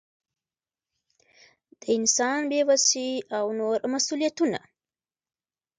د انسان بې وسي او نور مسؤلیتونه.